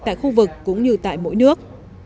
tại khu vực cũng như tại mỗi nước